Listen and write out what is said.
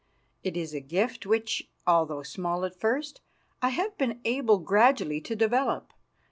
It is a gift which, although small at first, I have been able gradually to develop.